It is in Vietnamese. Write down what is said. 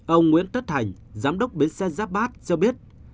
ông nguyễn tất thành giám đốc bến xe giáp bát cho biết